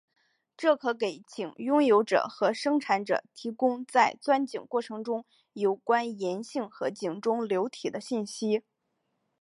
这可给井拥有者和生产者提供在钻井过程中有关岩性和井中流体的信息。